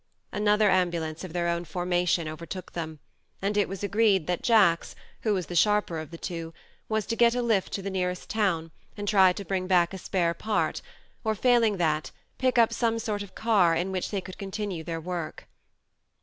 Another ambulance of their own formation overtook them, and it was THE MARNE 111 agreed that Jacks, who was the sharper of the two, was to get a lift to the nearest town, and try to bring back a spare part, or, failing that, pick up some sort of a car in which they could continue their work.